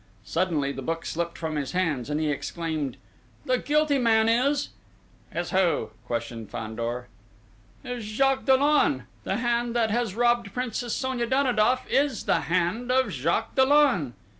Suddenly the book slipped from his hands, and he exclaimed: "The guilty man is ..." "Is who?" questioned Fandor. "Is Jacques Dollon!... The hand that has robbed Princess Sonia Danidoff is the hand of Jacques Dollon!"